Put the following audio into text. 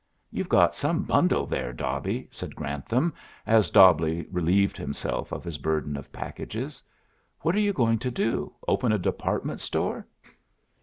"You've got some bundle there, Dobby," said Grantham, as Dobbleigh relieved himself of his burden of packages. "What are you going to do, open a department store?"